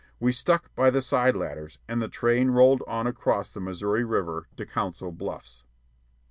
We stuck by the side ladders, and the train rolled on across the Missouri River to Council Bluffs.